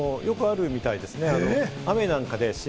よくあるみたいですね。